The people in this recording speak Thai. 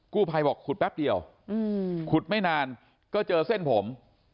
กู้ภัยบอกขุดแป๊บเดียวขุดไม่นานก็เจอเส้นผม